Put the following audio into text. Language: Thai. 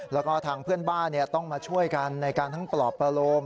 แล้วก็ทางเพื่อนบ้านต้องมาช่วยกันในการทั้งปลอบประโลม